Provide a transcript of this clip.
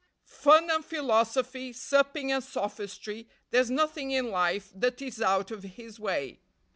Fun and philosophy, supping and sophistry, There's nothing in life that is out of his way.